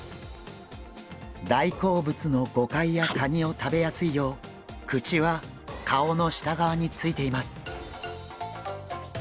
大好物のゴカイやカニを食べやすいよう口は顔の下側についています。